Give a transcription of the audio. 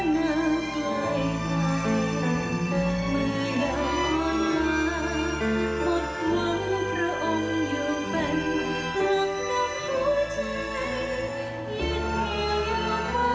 ยิ่งอยู่ท้ายใดเวลาไม่มีอย่างเดียวมา